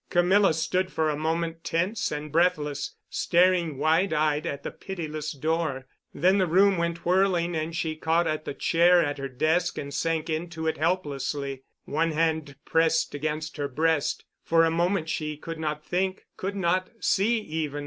Camilla stood for a moment, tense and breathless, staring wide eyed at the pitiless door. Then the room went whirling and she caught at the chair at her desk and sank into it helplessly, one hand pressed against her breast. For a moment she could not think, could not see even.